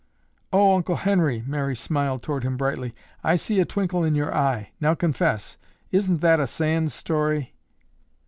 "Oh, Uncle Henry," Mary smiled toward him brightly, "I see a twinkle in your eye. Now confess, isn't that a sand story?"